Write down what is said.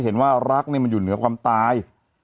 ถือว่ารักอยู่เหนือความตาย